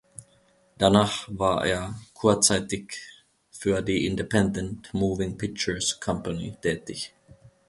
Danach war er kurzzeitig für die Independent Moving Pictures Company tätig.